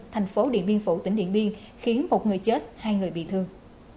thành phố điện biên phủ tỉnh điện biên khiến một người chết hai người bị thương